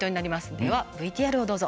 ではＶＴＲをどうぞ。